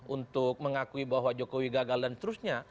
untuk mengakui bahwa jokowi gagal dan seterusnya